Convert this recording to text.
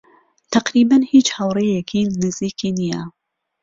تەقریبەن هیچ هاوڕێیەکی نزیکی نییە.